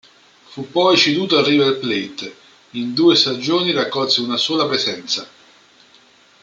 Fu poi ceduto al River Plate: in due stagioni raccolse una sola presenza.